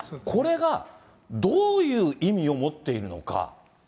これがどういう意味を持っているのか。